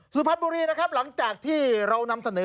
สุพรรณบุรีนะครับหลังจากที่เรานำเสนอ